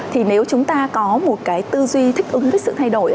thì nếu chúng ta có một cái tư duy thích ứng với sự thay đổi